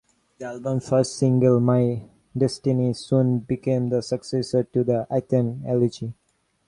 The album's first single "My Destiny" soon became the successor to the anthem "Elegy".